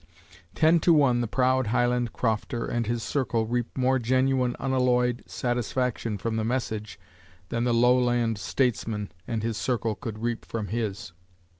Ten to one the proud Highland crofter and his circle reap more genuine, unalloyed satisfaction from the message than the lowland statesman and his circle could reap from his.